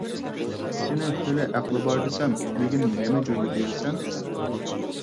سېنى خېلى ئەقلى بار دېسەم، بۈگۈن نېمە جۆيلۈپ يۈرىسەن؟